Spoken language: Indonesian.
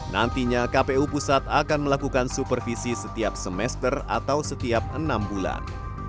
nantinya kpu pusat akan melakukan supervisi setiap semester atau setiap enam bulan